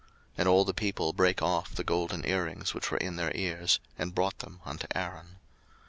02:032:003 And all the people brake off the golden earrings which were in their ears, and brought them unto Aaron.